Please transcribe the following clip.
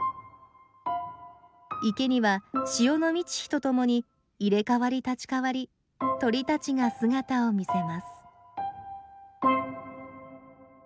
池には潮の満ち干とともに入れ代わり立ち代わり鳥たちが姿を見せます。